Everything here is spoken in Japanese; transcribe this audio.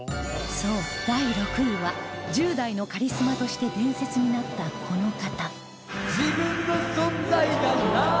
そう第６位は１０代のカリスマとして伝説になったこの方